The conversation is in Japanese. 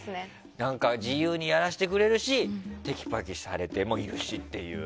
自由にやらせてくれるしテキパキされてもいるしっていう。